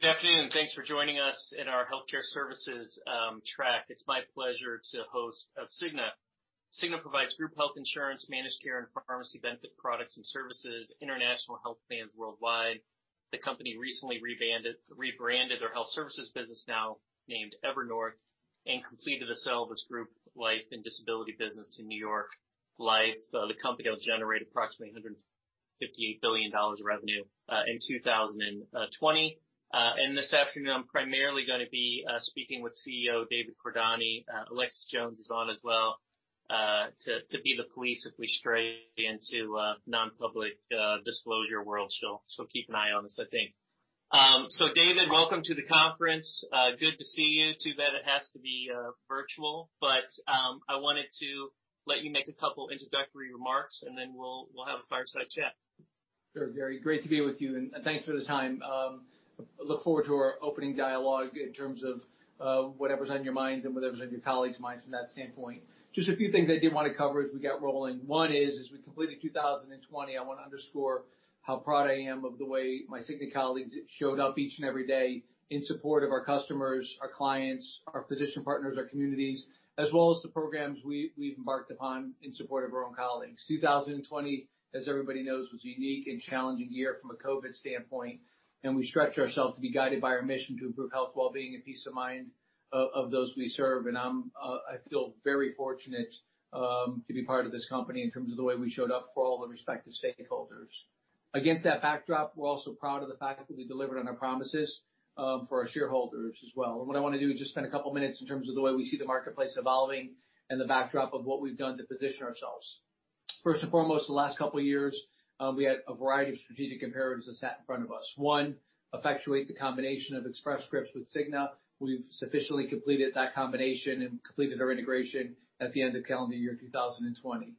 Good afternoon, and thanks for joining us in our healthcare services track. It's my pleasure to host The Cigna Group. The Cigna Group provides group health insurance, managed care, and pharmacy benefit products and services, international health plans worldwide. The company recently rebranded their health services business, now named Evernorth, and completed the sale of its group life and disability business to New York Life. The company will generate approximately $158 billion in revenue in 2020. This afternoon, I'm primarily going to be speaking with CEO David Cordani. Alexis Jones is on as well to be the police if we stray into non-public disclosure world. She'll keep an eye on this, I think. David, welcome to the conference. Good to see you. Too bad it has to be virtual, but I wanted to let you make a couple of introductory remarks, and then we'll have a fireside chat. Sure, Jerry. Great to be with you, and thanks for the time. Look forward to our opening dialogue in terms of whatever's on your minds and whatever's on your colleagues' minds from that standpoint. Just a few things I did want to cover as we got rolling. One is, as we completed 2020, I want to underscore how proud I am of the way my Cigna colleagues showed up each and every day in support of our customers, our clients, our physician partners, our communities, as well as the programs we've embarked upon in support of our own colleagues. 2020, as everybody knows, was a unique and challenging year from a COVID standpoint, and we stretched ourselves to be guided by our mission to improve health, well-being, and peace of mind of those we serve. I feel very fortunate to be part of this company in terms of the way we showed up for all the respective stakeholders. Against that backdrop, we're also proud of the fact that we delivered on our promises for our shareholders as well. What I want to do is just spend a couple of minutes in terms of the way we see the marketplace evolving and the backdrop of what we've done to position ourselves. First and foremost, the last couple of years, we had a variety of strategic imperatives that sat in front of us. One, effectuate the combination of Express Scripts with Cigna. We've sufficiently completed that combination and completed our integration at the end of calendar year 2020.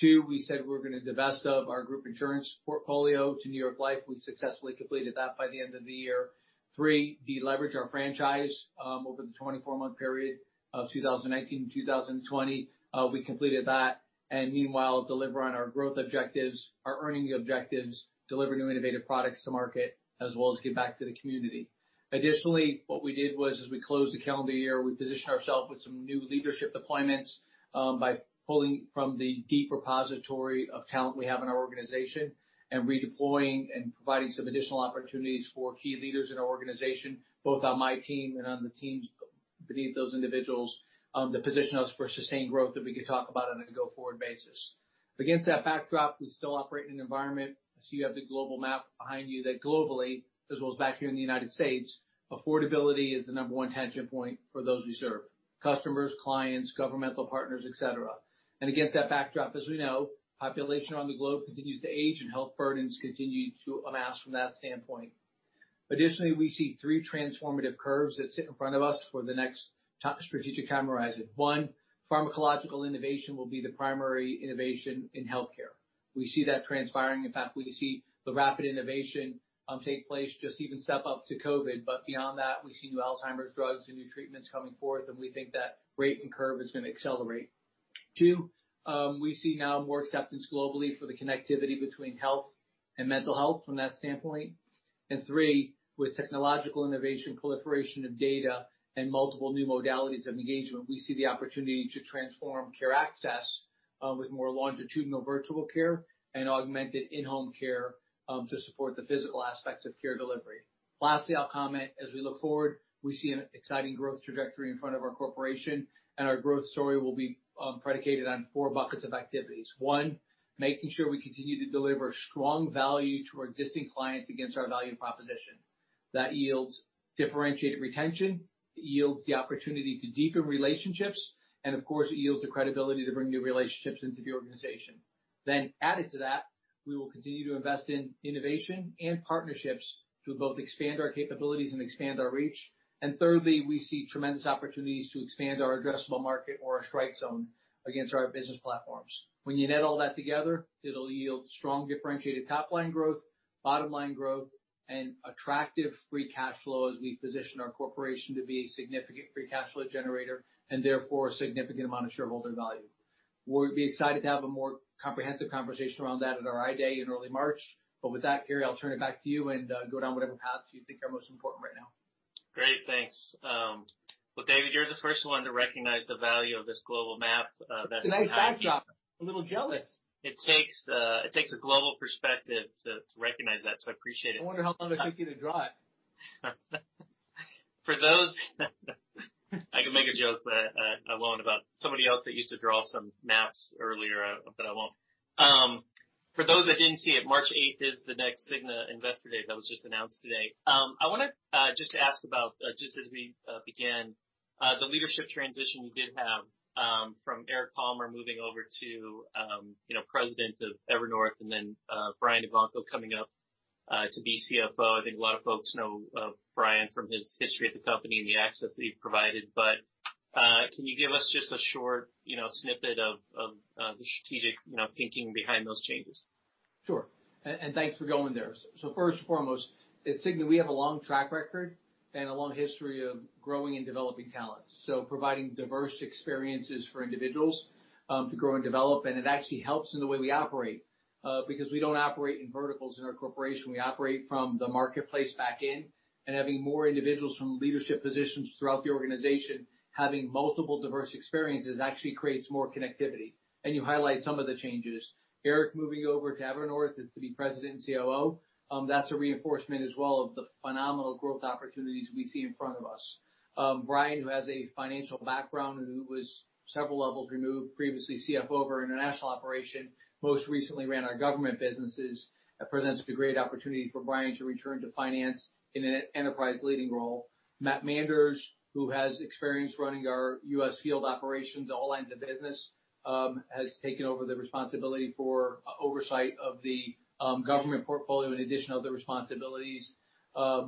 Two, we said we were going to divest of our group insurance portfolio to New York Life. We successfully completed that by the end of the year. Three, deleverage our franchise over the 24-month period of 2019 to 2020. We completed that, and meanwhile, deliver on our growth objectives, our earning objectives, deliver new innovative products to market, as well as give back to the community. Additionally, what we did was, as we closed the calendar year, we positioned ourselves with some new leadership deployments by pulling from the deep repository of talent we have in our organization and redeploying and providing some additional opportunities for key leaders in our organization, both on my team and on the teams beneath those individuals, to position us for sustained growth that we could talk about on a go-forward basis. Against that backdrop, we still operate in an environment, so you have the global map behind you, that globally, as well as back here in the U.S., affordability is the number one tension point for those we serve: customers, clients, governmental partners, et cetera. Against that backdrop, as we know, population around the globe continues to age, and health burdens continue to amass from that standpoint. Additionally, we see three transformative curves that sit in front of us for the next strategic time horizon. One, pharmacological innovation will be the primary innovation in healthcare. We see that transpiring. In fact, we see the rapid innovation take place just even step up to COVID. Beyond that, we see new Alzheimer's drugs and new treatments coming forth, and we think that rate and curve is going to accelerate. Two, we see now more acceptance globally for the connectivity between health and mental health from that standpoint. Three, with technological innovation, proliferation of data, and multiple new modalities of engagement, we see the opportunity to transform care access with more longitudinal virtual care and augmented in-home care to support the physical aspects of care delivery. Lastly, I'll comment, as we look forward, we see an exciting growth trajectory in front of our corporation, and our growth story will be predicated on four buckets of activities. One, making sure we continue to deliver strong value to our existing clients against our value proposition. That yields differentiated retention. It yields the opportunity to deepen relationships, and of course, it yields the credibility to bring new relationships into the organization. Added to that, we will continue to invest in innovation and partnerships to both expand our capabilities and expand our reach. Thirdly, we see tremendous opportunities to expand our addressable market or our strike zone against our business platforms. When you add all that together, it'll yield strong differentiated top-line growth, bottom-line growth, and attractive free cash flow as we position our corporation to be a significant free cash flow generator and therefore a significant amount of shareholder value. We'll be excited to have a more comprehensive conversation around that at our I-Day in early March. With that, Jerry, I'll turn it back to you and go down whatever paths you think are most important right now. Great, thanks. David, you're the first one to recognize the value of this global map. Nice backdrop. I'm a little jealous. It takes a global perspective to recognize that, so I appreciate it. I wonder how long it took you to draw it. I can make a joke, but I won't, about somebody else that used to draw some maps earlier, but I won't. For those that didn't see it, March 8 is the next Cigna Investor Day that was just announced today. I want to just ask about, just as we began, the leadership transition you did have from Eric Palmer moving over to President of Evernorth and then Brian Evanko coming up to be CFO. I think a lot of folks know Brian from his history at the company and the access that he provided. Can you give us just a short snippet of the strategic thinking behind those changes? Sure. Thanks for going there. First and foremost, at The Cigna Group, we have a long track record and a long history of growing and developing talent. Providing diverse experiences for individuals to grow and develop actually helps in the way we operate because we don't operate in verticals in our corporation. We operate from the marketplace back in. Having more individuals from leadership positions throughout the organization, having multiple diverse experiences, actually creates more connectivity. You highlight some of the changes. Eric Palmer moving over to Evernorth to be President and COO is a reinforcement as well of the phenomenal growth opportunities we see in front of us. Brian Evanko, who has a financial background and was several levels removed, previously CFO of our international operation, most recently ran our government businesses, presents a great opportunity for Brian to return to finance in an enterprise leading role. Matt Manders, who has experience running our U.S. field operations, all lines of business, has taken over the responsibility for oversight of the government portfolio in addition to other responsibilities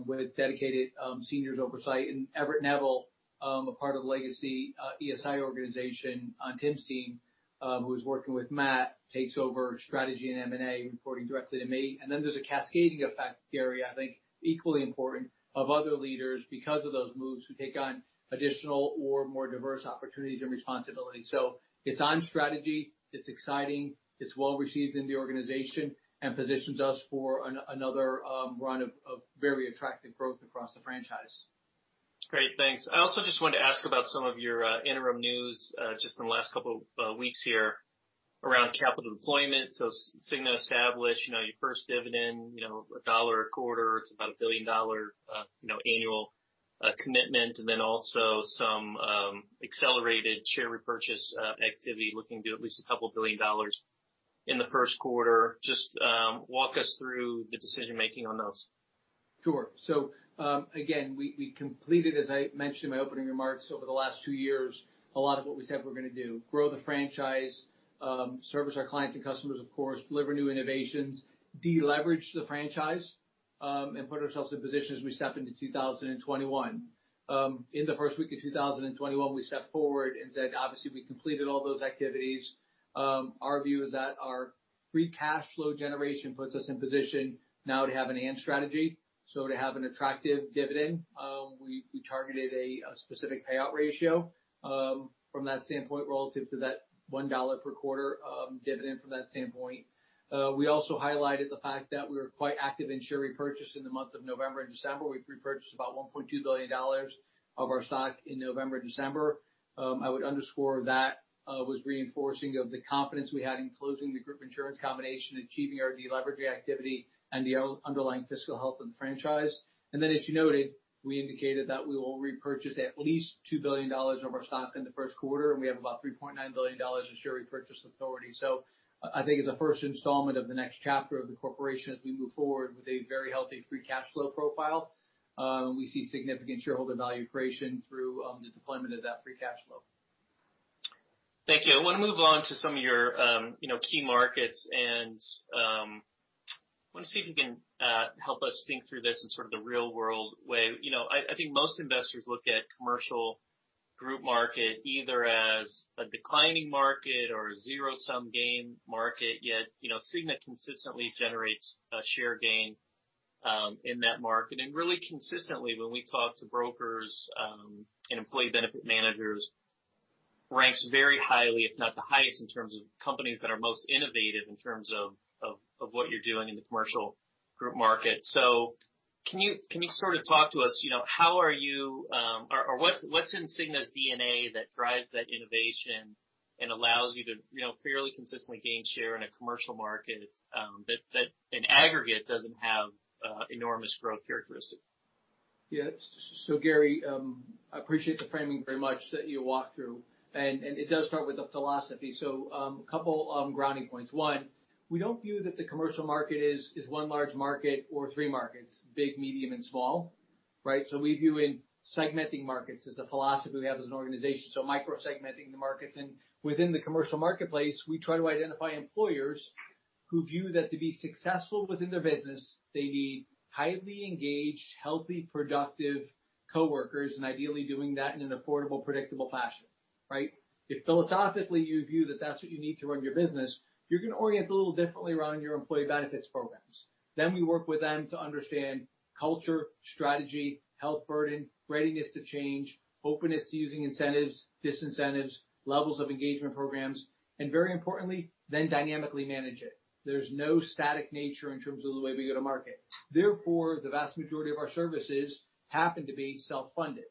with dedicated seniors' oversight. Everett Neville, a part of the legacy Express Scripts organization on Tim's team, who is working with Matt, takes over strategy and M&A, reporting directly to me. There's a cascading effect, Jerry, I think equally important, of other leaders because of those moves who take on additional or more diverse opportunities and responsibilities. It's on strategy. It's exciting. It's well received in the organization and positions us for another run of very attractive growth across the franchise. Great, thanks. I also just wanted to ask about some of your interim news just in the last couple of weeks here around capital deployment. Cigna established your first dividend, a dollar a quarter. It's about a $1 billion annual commitment. There was also some accelerated share repurchase activity looking to at least a couple of billion dollars in the first quarter. Just walk us through the decision-making on those. Sure. Again, we completed, as I mentioned in my opening remarks, over the last two years, a lot of what we said we're going to do: grow the franchise, service our clients and customers, of course, deliver new innovations, deleverage the franchise, and put ourselves in position as we step into 2021. In the first week of 2021, we stepped forward and said, obviously, we completed all those activities. Our view is that our free cash flow generation puts us in position now to have an AM strategy. To have an attractive dividend, we targeted a specific payout ratio from that standpoint relative to that $1 per quarter dividend from that standpoint. We also highlighted the fact that we were quite active in share repurchase in the month of November and December. We repurchased about $1.2 billion of our stock in November and December. I would underscore that was reinforcing the confidence we had in closing the group insurance combination, achieving our deleveraging activity, and the underlying fiscal health of the franchise. As you noted, we indicated that we will repurchase at least $2 billion of our stock in the first quarter, and we have about $3.9 billion of share repurchase authority. I think it's a first installment of the next chapter of the corporation as we move forward with a very healthy free cash flow profile. We see significant shareholder value creation through the deployment of that free cash flow. Thank you. I want to move on to some of your key markets, and I want to see if you can help us think through this in sort of the real-world way. I think most investors look at commercial group market either as a declining market or a zero-sum gain market, yet, you know, The Cigna Group consistently generates a share gain in that market. Really consistently, when we talk to brokers and employee benefit managers, it ranks very highly, if not the highest, in terms of companies that are most innovative in terms of what you're doing in the commercial group market. Can you sort of talk to us, you know, how are you, or what's in The Cigna Group's DNA that drives that innovation and allows you to, you know, fairly consistently gain share in a commercial market that in aggregate doesn't have enormous growth characteristics? Yeah. Jerry, I appreciate the framing very much that you walked through. It does start with the philosophy. A couple of grounding points. One, we don't view that the commercial market is one large market or three markets: big, medium, and small. Right? We view segmenting markets as a philosophy we have as an organization, so micro-segmenting the markets. Within the commercial marketplace, we try to identify employers who view that to be successful within their business, they need highly engaged, healthy, productive coworkers, and ideally doing that in an affordable, predictable fashion. Right? If philosophically you view that that's what you need to run your business, you're going to orient a little differently around your employee benefits programs. We work with them to understand culture, strategy, health burden, readiness to change, openness to using incentives, disincentives, levels of engagement programs, and very importantly, then dynamically manage it. There's no static nature in terms of the way we go to market. Therefore, the vast majority of our services happen to be self-funded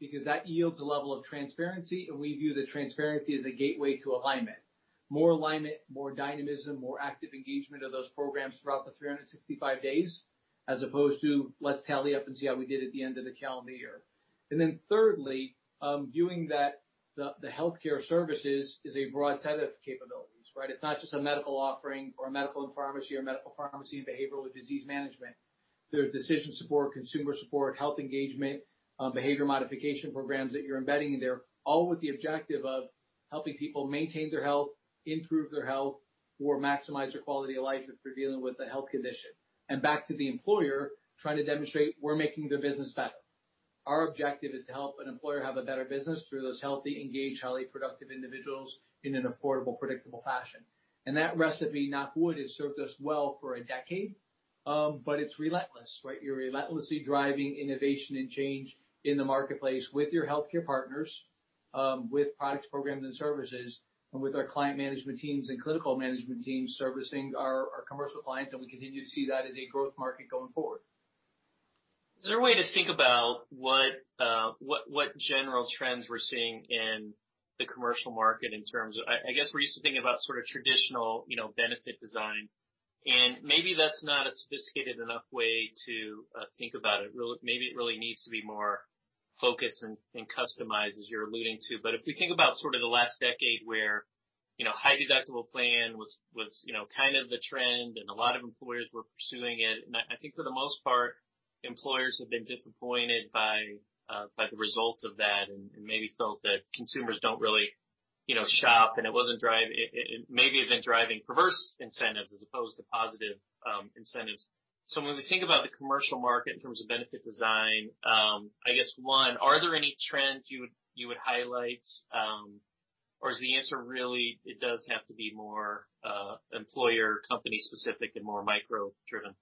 because that yields a level of transparency, and we view the transparency as a gateway to alignment. More alignment, more dynamism, more active engagement of those programs throughout the 365 days as opposed to, let's tally up and see how we did at the end of the calendar year. Thirdly, viewing that the healthcare services is a broad set of capabilities. Right? It's not just a medical offering or a medical and pharmacy or medical pharmacy, behavioral or disease management. There's decision support, consumer support, health engagement, behavior modification programs that you're embedding in there, all with the objective of helping people maintain their health, improve their health, or maximize their quality of life if they're dealing with a health condition. Back to the employer, trying to demonstrate we're making their business better. Our objective is to help an employer have a better business through those healthy, engaged, highly productive individuals in an affordable, predictable fashion. That recipe, knock wood, has served us well for a decade, but it's relentless. Right? You're relentlessly driving innovation and change in the marketplace with your healthcare partners, with products, programs, and services, and with our client management teams and clinical management teams servicing our commercial clients. We continue to see that as a growth market going forward. Is there a way to think about what general trends we're seeing in the commercial market in terms of, I guess we're used to thinking about sort of traditional benefit design, and maybe that's not a sophisticated enough way to think about it. Maybe it really needs to be more focused and customized, as you're alluding to. If we think about sort of the last decade where, you know, a high deductible plan was kind of the trend and a lot of employers were pursuing it, I think for the most part, employers have been disappointed by the result of that and maybe felt that consumers don't really, you know, shop and it wasn't driving, maybe even driving perverse incentives as opposed to positive incentives. When we think about the commercial market in terms of benefit design, I guess, one, are there any trends you would highlight, or is the answer really, it does have to be more employer company-specific and more micro-driven?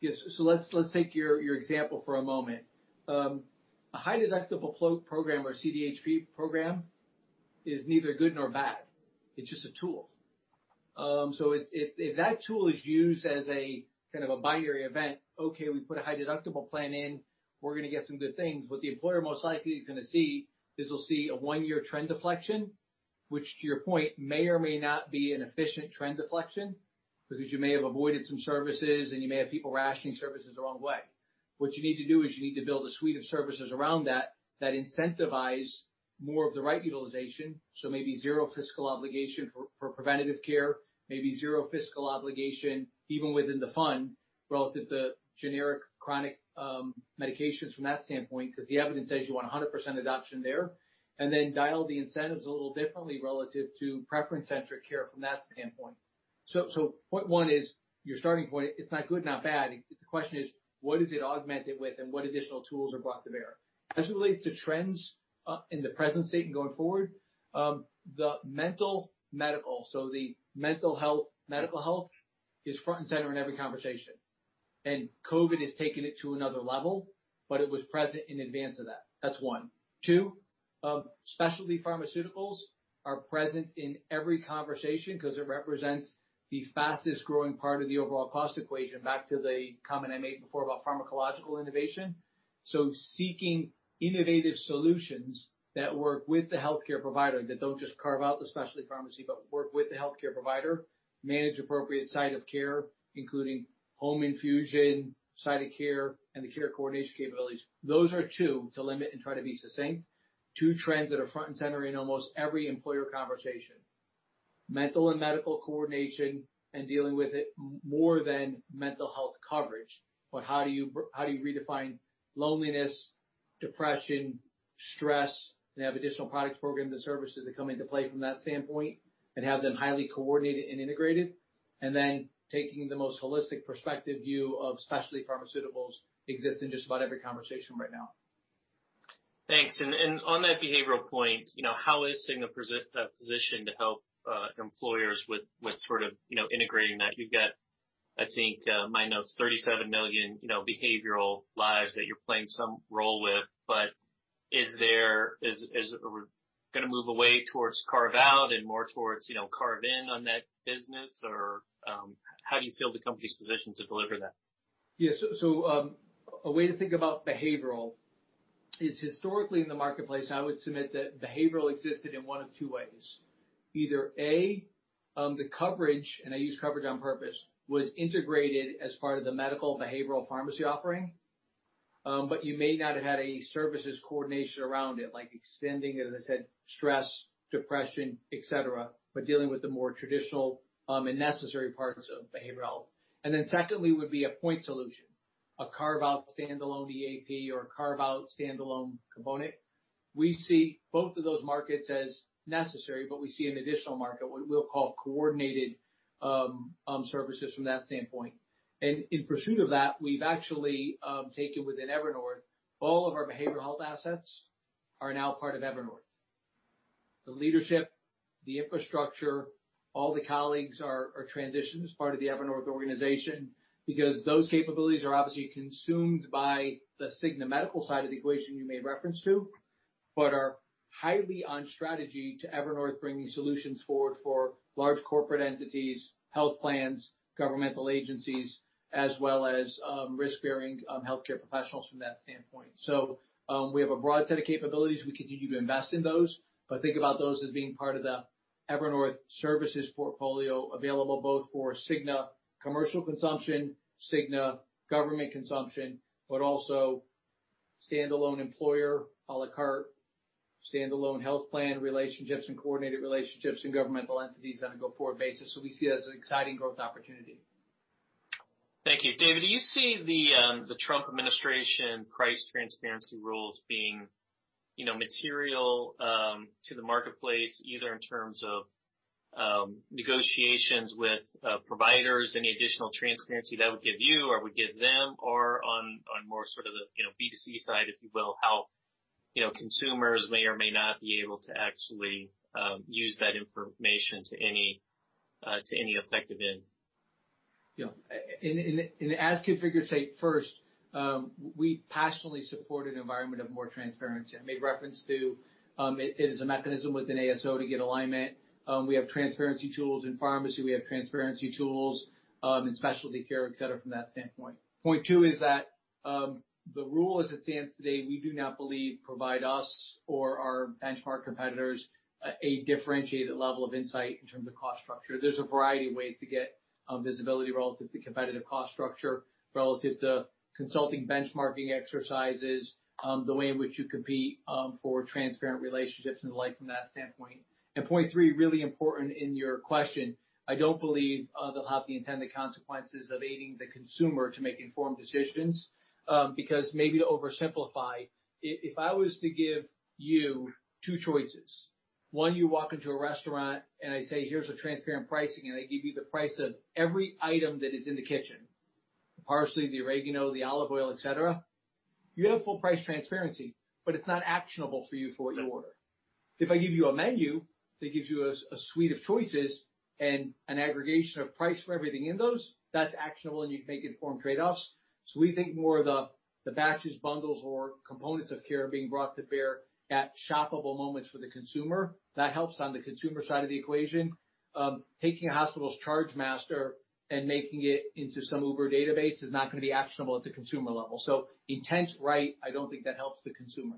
Yeah. Let's take your example for a moment. A high deductible program or CDHP program is neither good nor bad. It's just a tool. If that tool is used as a kind of a binary event, OK, we put a high deductible plan in, we're going to get some good things. What the employer most likely is going to see is they'll see a one-year trend deflection, which to your point may or may not be an efficient trend deflection because you may have avoided some services and you may have people rationing services the wrong way. What you need to do is build a suite of services around that that incentivize more of the right utilization. Maybe zero fiscal obligation for preventative care, maybe zero fiscal obligation even within the fund relative to generic chronic medications from that standpoint because the evidence says you want 100% adoption there. Then dial the incentives a little differently relative to preference-centric care from that standpoint. Point one is your starting point. It's not good, not bad. The question is, what is it augmented with and what additional tools are brought to bear? As it relates to trends in the present state and going forward, the mental medical, so the mental health, medical health is front and center in every conversation. COVID has taken it to another level, but it was present in advance of that. That's one. Two, specialty pharmaceuticals are present in every conversation because it represents the fastest growing part of the overall cost equation, back to the comment I made before about pharmacological innovation. Seeking innovative solutions that work with the healthcare provider, that don't just carve out the specialty pharmacy, but work with the healthcare provider, manage appropriate site of care, including home infusion, site of care, and the care coordination capabilities. Those are two to limit and try to be succinct. Two trends that are front and center in almost every employer conversation: mental and medical coordination and dealing with it more than mental health coverage. How do you redefine loneliness, depression, stress, and have additional products, programs, and services that come into play from that standpoint and have them highly coordinated and integrated? Taking the most holistic perspective view of specialty pharmaceuticals exist in just about every conversation right now. Thanks. On that behavioral point, how is The Cigna Group positioned to help employers with integrating that? You've got, I think, my notes, 37 million behavioral lives that you're playing some role with. Is it going to move away towards carve out and more towards carve in on that business, or how do you feel the company's positioned to deliver that? Yeah. A way to think about behavioral is historically in the marketplace, I would submit that behavioral existed in one of two ways. Either A, the coverage, and I use coverage on purpose, was integrated as part of the medical behavioral pharmacy offering, but you may not have had a services coordination around it, like extending it, as I said, stress, depression, et cetera, but dealing with the more traditional and necessary parts of behavioral health. Secondly, it would be a point solution, a carve-out standalone EAP or a carve-out standalone abonement. We see both of those markets as necessary, but we see an additional market, what we'll call coordinated services from that standpoint. In pursuit of that, we've actually taken within Evernorth, all of our behavioral health assets are now part of Evernorth. The leadership, the infrastructure, all the colleagues are transitioned as part of the Evernorth organization because those capabilities are obviously consumed by the Cigna medical side of the equation you made reference to, but are highly on strategy to Evernorth bringing solutions forward for large corporate entities, health plans, governmental agencies, as well as risk-bearing healthcare professionals from that standpoint. We have a broad set of capabilities. We continue to invest in those, but think about those as being part of the Evernorth services portfolio available both for Cigna commercial consumption, Cigna government consumption, but also standalone employer a la carte, standalone health plan relationships, and coordinated relationships in governmental entities on a go-forward basis. We see it as an exciting growth opportunity. Thank you. David, do you see the Trump administration price transparency rules being material to the marketplace either in terms of negotiations with providers, any additional transparency that would give you or would give them, or on more sort of the B2C side, if you will, how consumers may or may not be able to actually use that information to any effective end? Yeah. As configured, first, we passionately support an environment of more transparency. I made reference to it as a mechanism within ASO to get alignment. We have transparency tools in pharmacy. We have transparency tools in specialty care, et cetera, from that standpoint. Point two is that the rule as it stands today, we do not believe provides us or our benchmark competitors a differentiated level of insight in terms of cost structure. There are a variety of ways to get visibility relative to competitive cost structure, relative to consulting benchmarking exercises, the way in which you compete for transparent relationships and the like from that standpoint. Point three, really important in your question, I do not believe they will have the intended consequences of aiding the consumer to make informed decisions because maybe to oversimplify, if I was to give you two choices, one, you walk into a restaurant and I say, here is a transparent pricing, and I give you the price of every item that is in the kitchen, the parsley, the oregano, the olive oil, et cetera, you have full price transparency, but it is not actionable for you for what you order. If I give you a menu that gives you a suite of choices and an aggregation of price for everything in those, that is actionable and you can make informed trade-offs. We think more of the batches, bundles, or components of care being brought to bear at shoppable moments for the consumer. That helps on the consumer side of the equation. Taking a hospital's ChargeMaster and making it into some Uber database is not going to be actionable at the consumer level. Intent is right, I do not think that helps the consumer.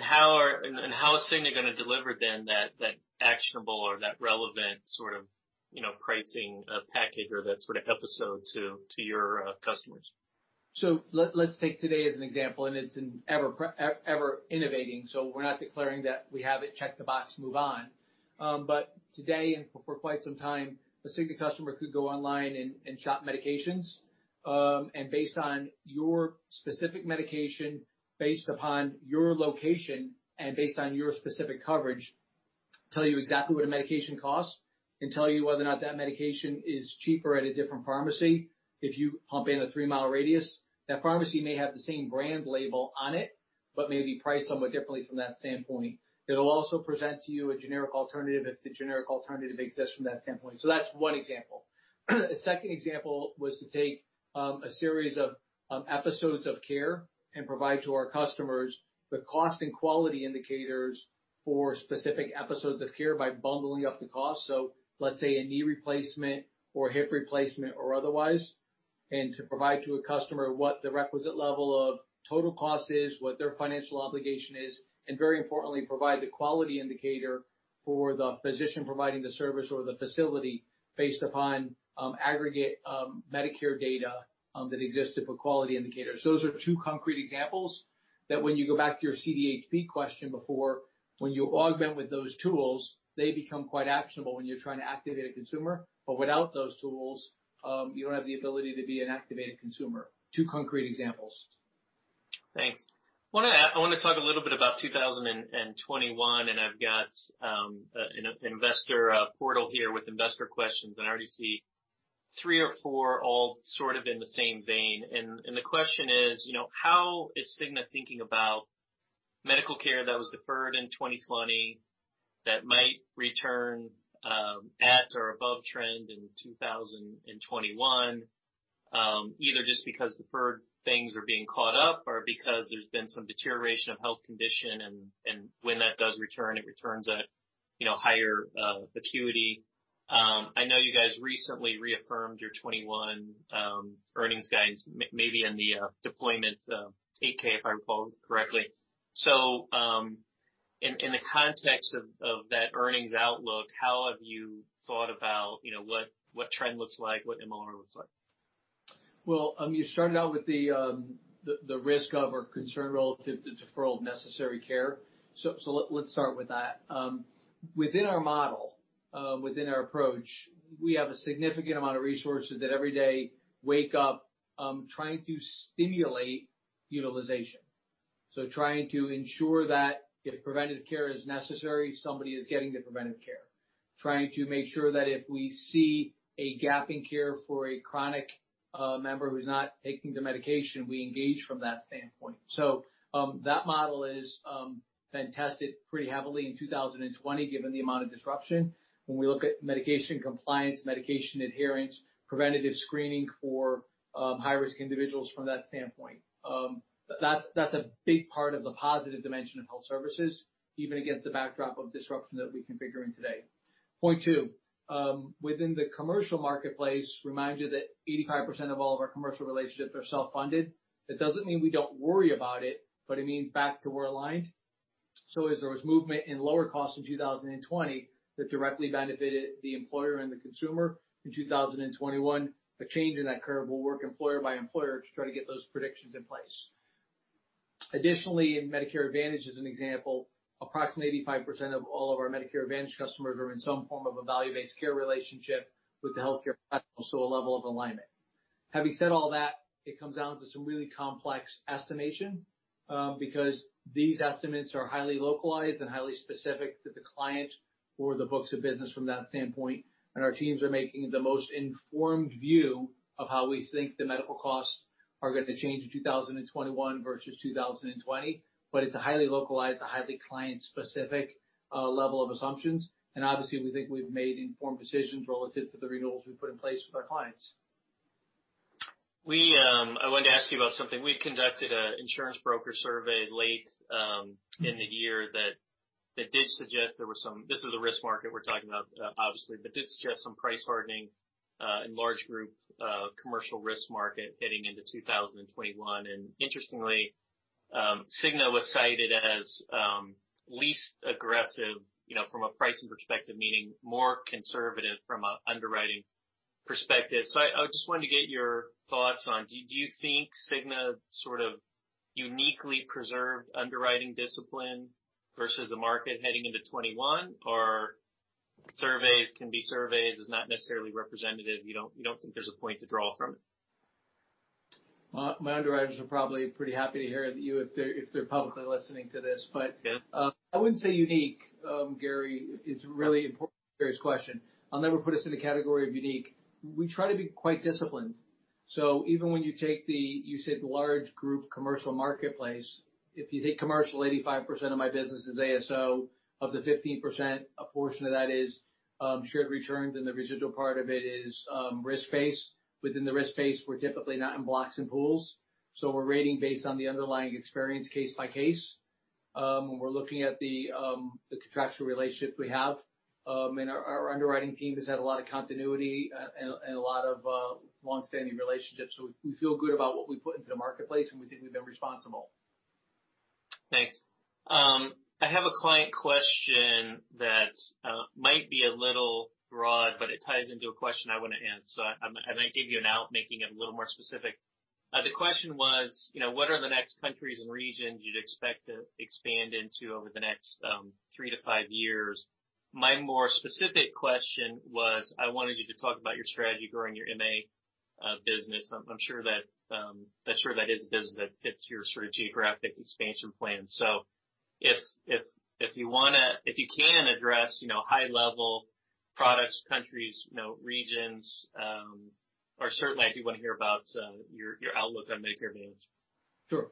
How is Cigna going to deliver that actionable or that relevant sort of, you know, pricing package or that sort of episode to your customers? Let's take today as an example. It's an ever-innovating, so we're not declaring that we have it, check the box, move on. Today and for quite some time, a Cigna customer could go online and shop medications, and based on your specific medication, based upon your location, and based on your specific coverage, tell you exactly what a medication costs and tell you whether or not that medication is cheaper at a different pharmacy. If you hop in a three-mile radius, that pharmacy may have the same brand label on it, but may be priced somewhat differently from that standpoint. It'll also present to you a generic alternative if the generic alternative exists from that standpoint. That's one example. A second example was to take a series of episodes of care and provide to our customers the cost and quality indicators for specific episodes of care by bundling up the cost. Let's say a knee replacement or hip replacement or otherwise, and to provide to a customer what the requisite level of total cost is, what their financial obligation is, and very importantly, provide the quality indicator for the physician providing the service or the facility based upon aggregate Medicare data that exists to put quality indicators. Those are two concrete examples that when you go back to your CDHP question before, when you augment with those tools, they become quite actionable when you're trying to activate a consumer. Without those tools, you don't have the ability to be an activated consumer. Two concrete examples. Thanks. I want to talk a little bit about 2021, and I've got an investor portal here with investor questions. I already see three or four all sort of in the same vein. The question is, you know, how is The Cigna Group thinking about medical care that was deferred in 2020 that might return at or above trend in 2021, either just because deferred things are being caught up or because there's been some deterioration of health condition, and when that does return, it returns at, you know, higher acuity? I know you guys recently reaffirmed your 2021 earnings guidance, maybe in the deployment 8K, if I recall correctly. In the context of that earnings outlook, how have you thought about, you know, what trend looks like, what MLR looks like? You started out with the risk of or concern relative to deferral of necessary care. Let's start with that. Within our model, within our approach, we have a significant amount of resources that every day wake up trying to stimulate utilization, trying to ensure that if preventative care is necessary, somebody is getting the preventative care, trying to make sure that if we see a gap in care for a chronic member who's not taking the medication, we engage from that standpoint. That model is then tested pretty heavily in 2020, given the amount of disruption. When we look at medication compliance, medication adherence, preventative screening for high-risk individuals from that standpoint, that's a big part of the positive dimension of health services, even against the backdrop of disruption that we're configuring today. Point two, within the commercial marketplace, remind you that 85% of all of our commercial relationships are self-funded. That doesn't mean we don't worry about it, but it means back to where aligned. As there was movement in lower costs in 2020 that directly benefited the employer and the consumer, in 2021, a change in that curve will work employer by employer to try to get those predictions in place. Additionally, in Medicare Advantage as an example, approximately 85% of all of our Medicare Advantage customers are in some form of a value-based care relationship with the healthcare professionals, so a level of alignment. Having said all that, it comes down to some really complex estimation because these estimates are highly localized and highly specific to the client or the books of business from that standpoint. Our teams are making the most informed view of how we think the medical costs are going to change in 2021 versus 2020. It's a highly localized, a highly client-specific level of assumptions. Obviously, we think we've made informed decisions relative to the renewals we've put in place with our clients. I wanted to ask you about something. We conducted an insurance broker survey late in the year that did suggest there were some, this is the risk market we're talking about, obviously, but did suggest some price hardening in large group commercial risk market heading into 2021. Interestingly, The Cigna Group was cited as least aggressive, you know, from a pricing perspective, meaning more conservative from an underwriting perspective. I just wanted to get your thoughts on, do you think The Cigna Group sort of uniquely preserved underwriting discipline versus the market heading into 2021, or surveys can be surveys, is not necessarily representative? You don't think there's a point to draw from it? My underwriters are probably pretty happy to hear you if they're publicly listening to this. I wouldn't say unique, Jerry, is really a very fair question. I'll never put us in the category of unique. We try to be quite disciplined. Even when you take the, you said the large group commercial marketplace, if you think commercial, 85% of my business is ASO. Of the 15%, a portion of that is shared returns, and the residual part of it is risk-based. Within the risk-based, we're typically not in blocks and pools. We're rating based on the underlying experience case by case. When we're looking at the contractual relationship we have, our underwriting team has had a lot of continuity and a lot of longstanding relationships. We feel good about what we put into the marketplace, and we think we've been responsible. Thanks. I have a client question that might be a little broad, but it ties into a question I want to answer. I'm going to give you an out, making it a little more specific. The question was, you know, what are the next countries and regions you'd expect to expand into over the next three to five years? My more specific question was, I wanted you to talk about your strategy growing your MA business. I'm sure that is a business that fits your sort of geographic expansion plan. If you want to, if you can address, you know, high-level products, countries, regions, or certainly, I do want to hear about your outlook on Medicare Advantage. Sure.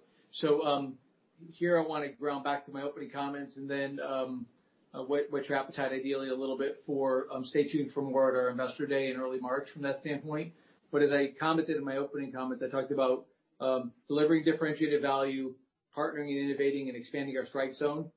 Here I want to ground back to my opening comments and then whet your appetite ideally a little bit for stay tuned for more at our investor day in early March from that standpoint. As I commented in my opening comments, I talked about delivering differentiated value, partnering and innovating, and expanding our strike zone.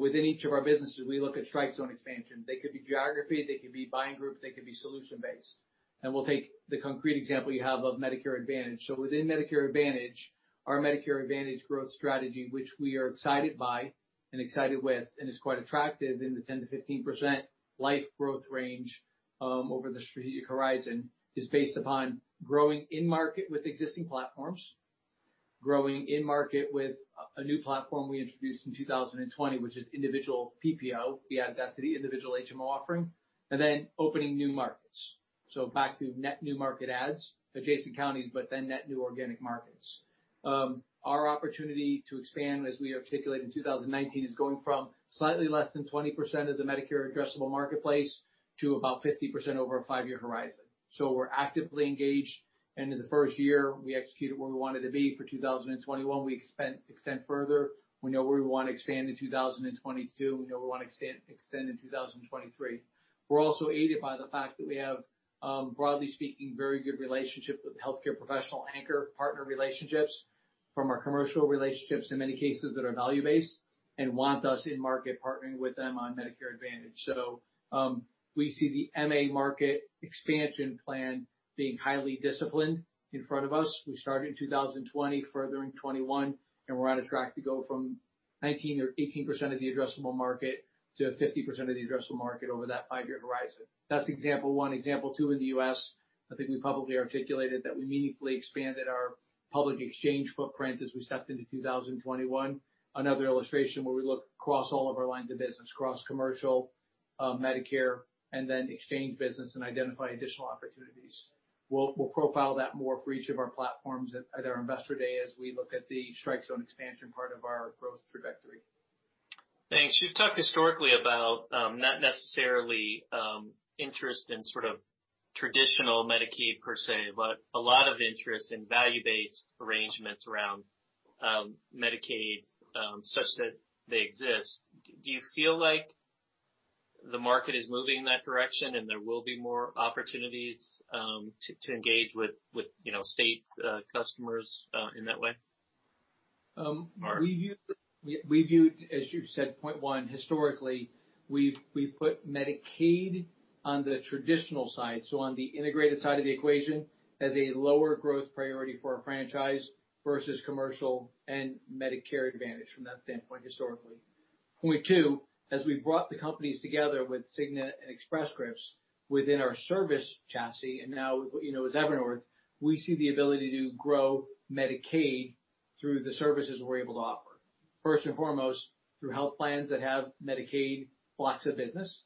Within each of our businesses, we look at strike zone expansion. They could be geography, they could be buying group, they could be solution-based. We'll take the concrete example you have of Medicare Advantage. Within Medicare Advantage, our Medicare Advantage growth strategy, which we are excited by and excited with and is quite attractive in the 10%-15% life growth range over the strategic horizon, is based upon growing in market with existing platforms, growing in market with a new platform we introduced in 2020, which is individual PPO. We added that to the individual HMO offering, and then opening new markets. Back to net new market adds, adjacent counties, but then net new organic markets. Our opportunity to expand, as we articulated in 2019, is going from slightly less than 20% of the Medicare addressable marketplace to about 50% over a five-year horizon. We're actively engaged, and in the first year, we executed where we wanted to be. For 2021, we extend further. We know where we want to expand in 2022. We know we want to extend in 2023. We're also aided by the fact that we have, broadly speaking, very good relationships with healthcare professional anchor partner relationships from our commercial relationships in many cases that are value-based and want us in market partnering with them on Medicare Advantage. We see the MA market expansion plan being highly disciplined in front of us. We started in 2020, further in 2021, and we're on a track to go from 19% or 18% of the addressable market to 50% of the addressable market over that five-year horizon. That's example one. Example two in the U.S., I think we probably articulated that we meaningfully expanded our public exchange footprint as we stepped into 2021. Another illustration where we look across all of our lines of business, cross commercial, Medicare, and then exchange business and identify additional opportunities. We'll profile that more for each of our platforms at our investor day as we look at the strike zone expansion part of our growth trajectory. Thanks. You've talked historically about not necessarily interest in sort of traditional Medicaid per se, but a lot of interest in value-based arrangements around Medicaid such that they exist. Do you feel like the market is moving in that direction and there will be more opportunities to engage with, you know, state customers in that way? We viewed, as you said, point one, historically, we've put Medicaid on the traditional side, so on the integrated side of the equation, as a lower growth priority for our franchise versus commercial and Medicare Advantage from that standpoint historically. Point two, as we brought the companies together with The Cigna Group and Express Scripts within our service chassis, and now, you know, as Evernorth, we see the ability to grow Medicaid through the services we're able to offer. First and foremost, through health plans that have Medicaid blocks of business.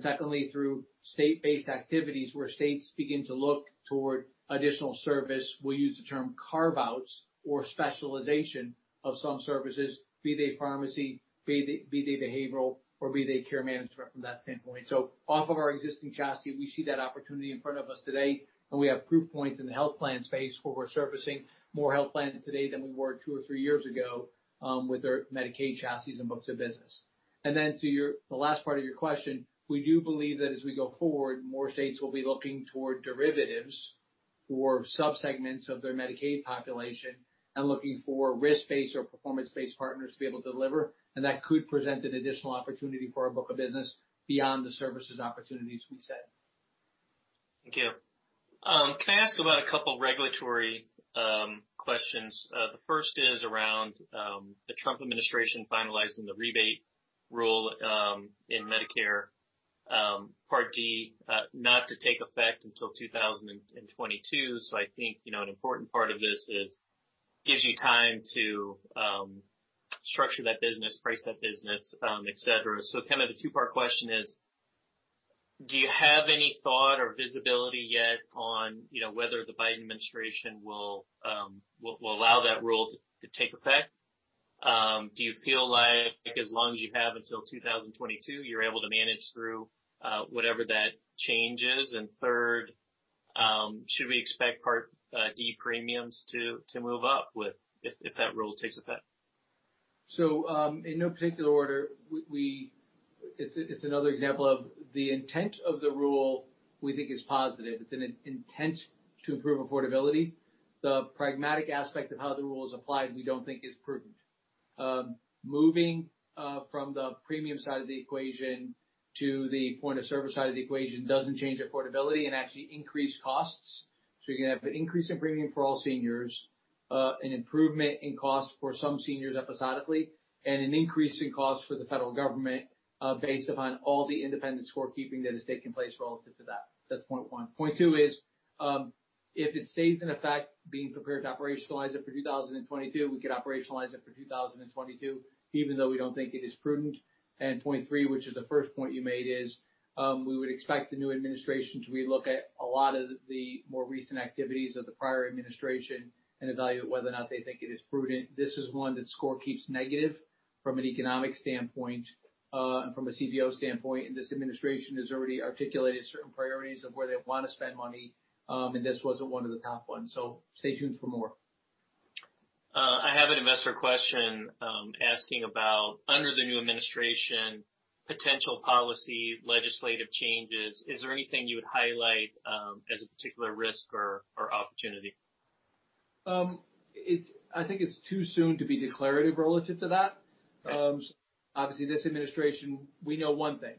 Secondly, through state-based activities where states begin to look toward additional service, we'll use the term carve-outs or specialization of some services, be they pharmacy, be they behavioral, or be they care management from that standpoint. Off of our existing chassis, we see that opportunity in front of us today, and we have proof points in the health plan space where we're servicing more health plans today than we were two or three years ago with their Medicaid chassis and books of business. To your last part of your question, we do believe that as we go forward, more states will be looking toward derivatives or subsegments of their Medicaid population and looking for risk-based or performance-based partners to be able to deliver. That could present an additional opportunity for our book of business beyond the services opportunities we said. Thank you. Can I ask you about a couple of regulatory questions? The first is around the Trump administration finalizing the rebate rule in Medicare Part D, not to take effect until 2022. I think an important part of this is it gives you time to structure that business, price that business, et cetera. The two-part question is, do you have any thought or visibility yet on whether the Biden administration will allow that rule to take effect? Do you feel like as long as you have until 2022, you're able to manage through whatever that change is? Third, should we expect Part D premiums to move up if that rule takes effect? In no particular order, it's another example of the intent of the rule. We think it's positive. It's an intent to improve affordability. The pragmatic aspect of how the rule is applied, we don't think is prudent. Moving from the premium side of the equation to the point of service side of the equation doesn't change affordability and actually increases costs. You're going to have an increase in premium for all seniors, an improvement in cost for some seniors episodically, and an increase in cost for the federal government based upon all the independent scorekeeping that has taken place relative to that. That's point one. Point two is if it stays in effect, being prepared to operationalize it for 2022, we could operationalize it for 2022, even though we don't think it is prudent. Point three, which is the first point you made, is we would expect the new administration to relook at a lot of the more recent activities of the prior administration and evaluate whether or not they think it is prudent. This is one that scorekeeps negative from an economic standpoint and from a CBO standpoint. This administration has already articulated certain priorities of where they want to spend money, and this wasn't one of the top ones. Stay tuned for more. I have an investor question asking about, under the new administration, potential policy legislative changes. Is there anything you would highlight as a particular risk or opportunity? I think it's too soon to be declarative relative to that. Obviously, this administration, we know one thing.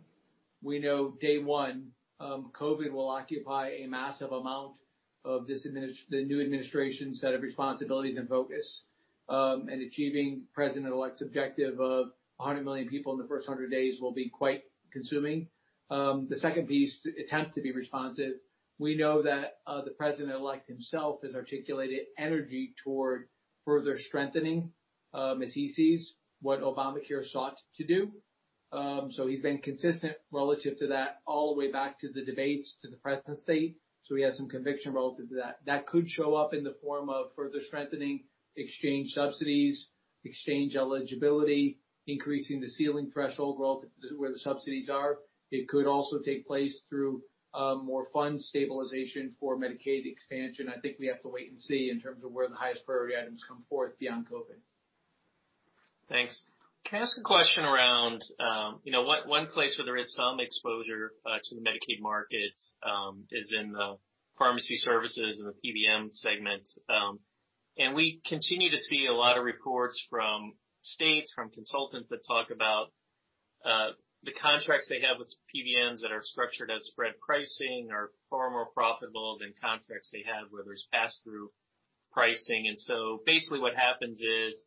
We know day one, COVID will occupy a massive amount of the new administration's set of responsibilities and focus. Achieving president-elect's objective of 100 million people in the first 100 days will be quite consuming. The second piece, attempt to be responsive. We know that the president-elect himself has articulated energy toward further strengthening as he sees what Obamacare sought to do. He's been consistent relative to that all the way back to the debates to the present state. He has some conviction relative to that. That could show up in the form of further strengthening exchange subsidies, exchange eligibility, increasing the ceiling threshold relative to where the subsidies are. It could also take place through more fund stabilization for Medicaid expansion. I think we have to wait and see in terms of where the highest priority items come forth beyond COVID. Thanks. Can I ask a question around, you know, one place where there is some exposure to the Medicaid market is in the pharmacy services and the PBM segment. We continue to see a lot of reports from states, from consultants that talk about the contracts they have with PBMs that are structured as spread pricing are far more profitable than contracts they have where there's pass-through pricing. Basically, what happens is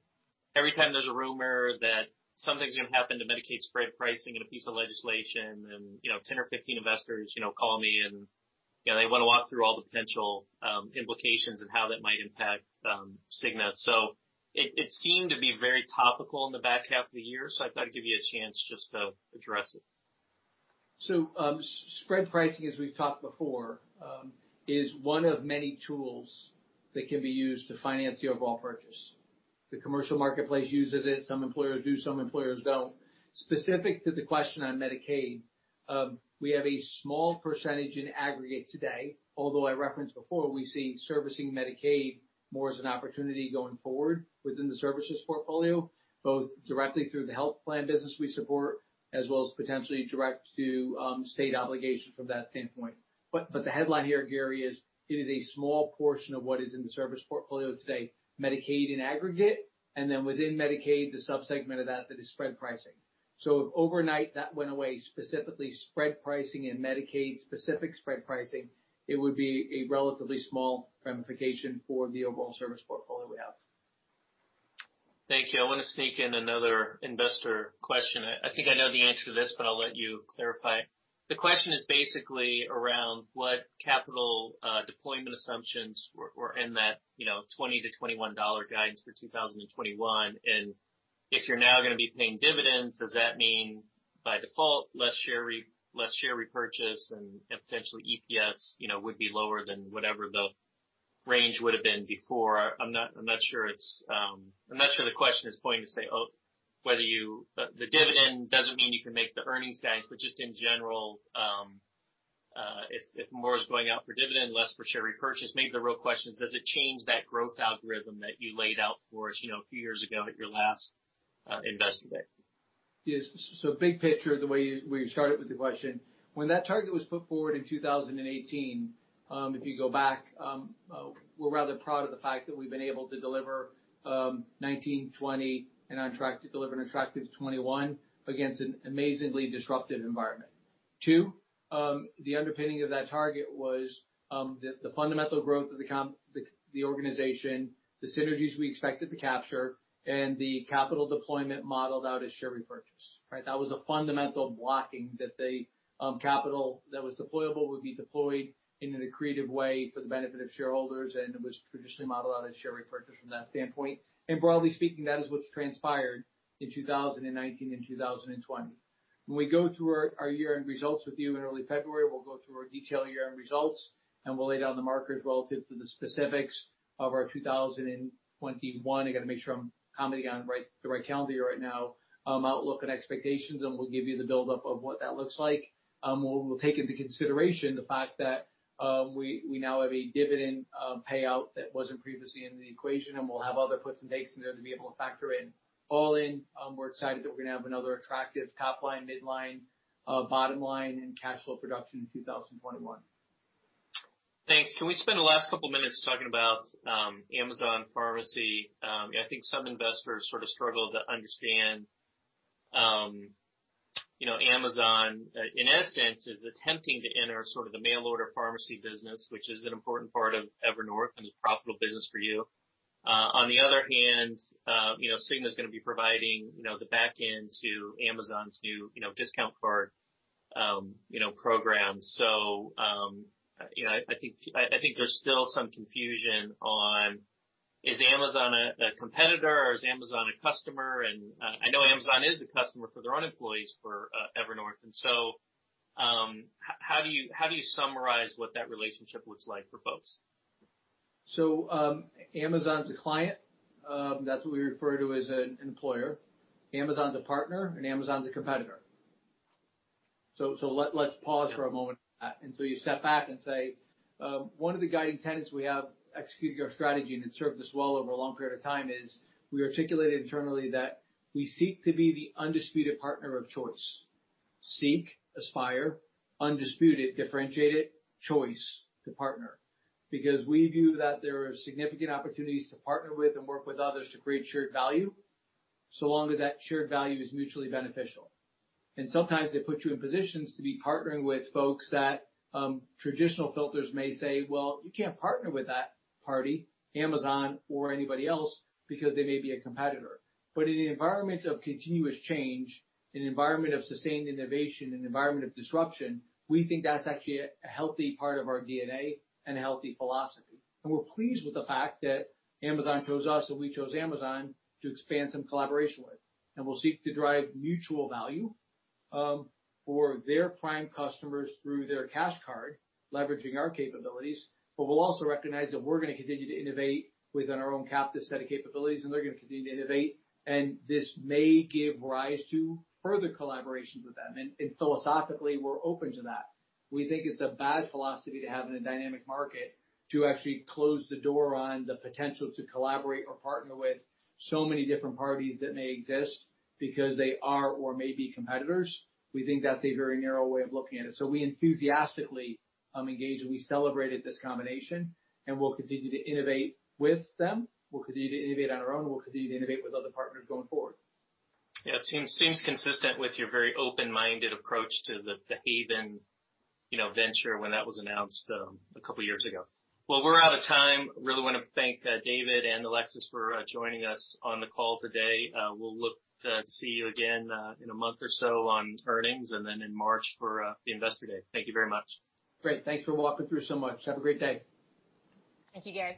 every time there's a rumor that something's going to happen to Medicaid spread pricing in a piece of legislation, 10 or 15 investors call me and they want to walk through all the potential implications and how that might impact The Cigna Group. It seemed to be very topical in the back half of the year. I thought I'd give you a chance just to address it. Spread pricing, as we've talked before, is one of many tools that can be used to finance the overall purchase. The commercial marketplace uses it. Some employers do, some employers don't. Specific to the question on Medicaid, we have a small percentage in aggregate today, although I referenced before we see servicing Medicaid more as an opportunity going forward within the services portfolio, both directly through the health plan business we support, as well as potentially direct to state obligation from that standpoint. The headline here, Jerry, is it is a small portion of what is in the service portfolio today, Medicaid in aggregate, and then within Medicaid, the subsegment of that that is spread pricing. If overnight that went away, specifically spread pricing and Medicaid specific spread pricing, it would be a relatively small ramification for the overall service portfolio we have. Thanks. Yeah, I want to sneak in another investor question. I think I know the answer to this, but I'll let you clarify it. The question is basically around what capital deployment assumptions were in that, you know, $20-$21 guidance for 2021. If you're now going to be paying dividends, does that mean by default less share repurchase and potentially EPS, you know, would be lower than whatever the range would have been before? I'm not sure the question is pointing to say, oh, whether you, the dividend doesn't mean you can make the earnings guys, but just in general, if more is going out for dividend, less for share repurchase, maybe the real question is, does it change that growth algorithm that you laid out for us, you know, a few years ago at your last investor day? Yeah. Big picture, the way you started with the question, when that target was put forward in 2018, if you go back, we're rather proud of the fact that we've been able to deliver 2019, 2020, and on track to deliver an attractive 2021 against an amazingly disruptive environment. The underpinning of that target was the fundamental growth of the organization, the synergies we expected to capture, and the capital deployment modeled out as share repurchase. That was a fundamental blocking that the capital that was deployable would be deployed in a creative way for the benefit of shareholders, and it was traditionally modeled out as share repurchase from that standpoint. Broadly speaking, that is what's transpired in 2019 and 2020. When we go through our year-end results with you in early February, we'll go through our detailed year-end results, and we'll lay down the markers relative to the specifics of our 2021. I got to make sure I'm commenting on the right calendar year right now, outlook and expectations, and we'll give you the buildup of what that looks like. We'll take into consideration the fact that we now have a dividend payout that wasn't previously in the equation, and we'll have other puts and takes in there to be able to factor in. All in, we're excited that we're going to have another attractive top line, midline, bottom line, and cash flow production in 2021. Thanks. Can we spend the last couple of minutes talking about Amazon Pharmacy? I think some investors sort of struggle to understand, you know, Amazon, in essence, is attempting to enter sort of the mail-order pharmacy business, which is an important part of Evernorth and a profitable business for you. On the other hand, you know, The Cigna Group is going to be providing, you know, the back end to Amazon's new, you know, discount card, you know, program. I think there's still some confusion on, is Amazon a competitor or is Amazon a customer? I know Amazon is a customer for their own employees for Evernorth. How do you summarize what that relationship looks like for folks? Amazon's a client. That's what we refer to as an employer. Amazon's a partner, and Amazon's a competitor. Pause for a moment until you step back and say, one of the guiding tenets we have executed in our strategy and it served us well over a long period of time is we articulated internally that we seek to be the undisputed partner of choice. Seek, aspire, undisputed, differentiated, choice to partner. We view that there are significant opportunities to partner with and work with others to create shared value, so long as that shared value is mutually beneficial. Sometimes they put you in positions to be partnering with folks that traditional filters may say, well, you can't partner with that party, Amazon, or anybody else because they may be a competitor. In an environment of continuous change, an environment of sustained innovation, an environment of disruption, we think that's actually a healthy part of our DNA and a healthy philosophy. We're pleased with the fact that Amazon chose us and we chose Amazon to expand some collaboration with. We'll seek to drive mutual value for their Prime customers through their cash card, leveraging our capabilities. We'll also recognize that we're going to continue to innovate within our own captive set of capabilities, and they're going to continue to innovate. This may give rise to further collaborations with them. Philosophically, we're open to that. We think it's a bad philosophy to have in a dynamic market to actually close the door on the potential to collaborate or partner with so many different parties that may exist because they are or may be competitors. We think that's a very narrow way of looking at it. We enthusiastically engage and we celebrated this combination, and we'll continue to innovate with them. We'll continue to innovate on our own, and we'll continue to innovate with other partners going forward. Yeah, it seems consistent with your very open-minded approach to the Haven, you know, venture when that was announced a couple of years ago. We're out of time. Really want to thank David and Alexis for joining us on the call today. We'll look to see you again in a month or so on earnings and then in March for the investor day. Thank you very much. Great. Thanks for walking through so much. Have a great day. Thank you, Jerry.